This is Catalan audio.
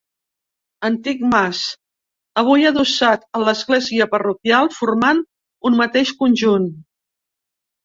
Antic mas, avui adossat a l'església parroquial formant un mateix conjunt.